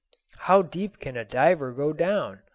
"How deep can a diver go down?"